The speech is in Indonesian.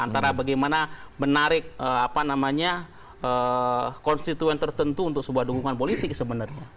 antara bagaimana menarik konstituen tertentu untuk sebuah dukungan politik sebenarnya